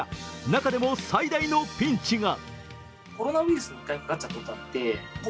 中でも最大のピンチが。